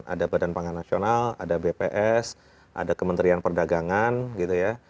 ada badan pangan nasional ada bps ada kementerian perdagangan gitu ya